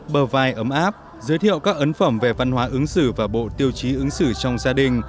bờ vai ấm áp giới thiệu các ấn phẩm về văn hóa ứng xử và bộ tiêu chí ứng xử trong gia đình